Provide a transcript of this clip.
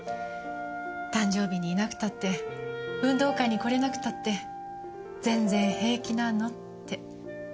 誕生日にいなくたって運動会に来れなくたって全然平気なのって。